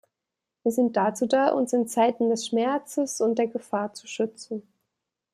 Sie sind dazu da, uns in Zeiten des Schmerzes und der Gefahr zu schützen.